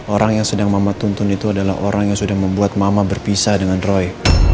orang yang sedang mama tuntun itu adalah orang yang sudah membuat mama berpisah dengan roy